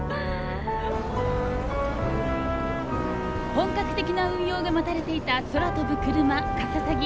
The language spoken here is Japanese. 本格的な運用が待たれていた空飛ぶクルマかささぎ。